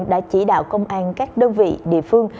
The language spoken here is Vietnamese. đã chỉ đạo công an các đơn vị địa phương